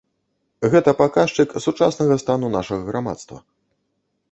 Гэта паказчык сучаснага стану нашага грамадства.